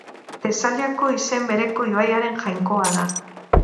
Tesaliako izen bereko ibaiaren jainkoa da.